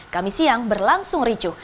kami siang berlangsung ricuh